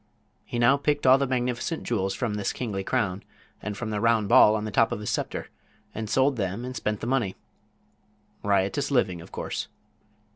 He now picked all the magnificent jewels from this kingly crown and from the round ball on the top of his scepter, and sold them and spent the money. Riotous living, of course.